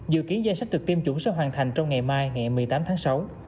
dự kiến gia sách được tiêm chủng sẽ hoàn thành trong ngày mai ngày một mươi tám tháng sáu